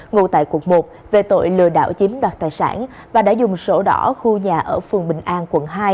ngủ tại quận một về tội lừa đảo chiếm đoạt tài sản và đã dùng sổ đỏ khu nhà ở phường bình an quận hai